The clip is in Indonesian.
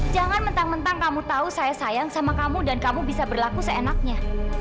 jangan mentang mentang kamu tahu saya sayang sama kamu dan kamu bisa berlaku seenaknya